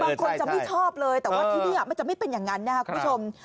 บางคนจะไม่ชอบเลยแต่ว่าที่นี่มันจะไม่เป็นอย่างนั้นนะครับคุณผู้ชม